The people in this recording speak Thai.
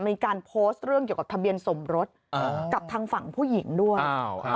มีการโพสต์เรื่องเกี่ยวกับทะเบียนสมรสกับทางฝั่งผู้หญิงด้วย